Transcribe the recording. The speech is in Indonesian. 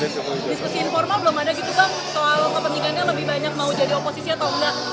diskusi informal belum ada gitu bang soal kepentingannya lebih banyak mau jadi oposisi atau enggak